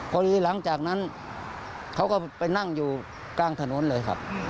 หลังจากนั้นเขาก็ไปนั่งอยู่กลางถนนเลยครับ